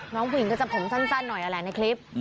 น้องผู้หญิงก็จะผมสั้นหน่อยนั่นแหละในคลิป